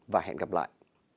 và hẹn gặp lại